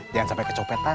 jangan sampai kecopetan